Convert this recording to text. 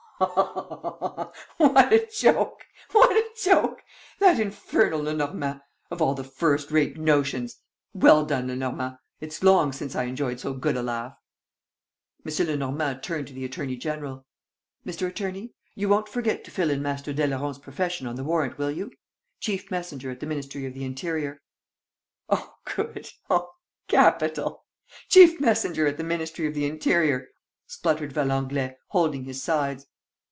"Oh, what a joke! What a joke! That infernal Lenormand! Of all the first rate notions! Well done, Lenormand! It's long since I enjoyed so good a laugh." M. Lenormand turned to the attorney general: "Mr. Attorney, you won't forget to fill in Master Daileron's profession on the warrant, will you? Chief messenger at the Ministry of the Interior." "Oh, good! ... Oh, capital! ... Chief messenger at the Ministry of the Interior!" spluttered Valenglay, holding his sides.